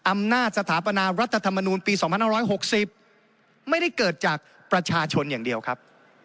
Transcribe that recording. สถาปนารัฐธรรมนูลปี๒๕๖๐ไม่ได้เกิดจากประชาชนอย่างเดียวครับ